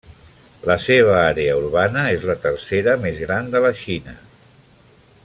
La seva àrea urbana és la tercera més gran de la Xina.